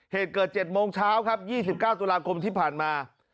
เหตุเกิด๗โมงเช้าครับ๒๙ตุลาคมที่ผ่านมา